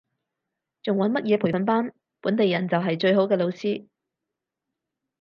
仲揾乜嘢培訓班，本地人就係最好嘅老師